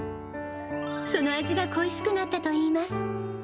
その味が恋しくなったといいます。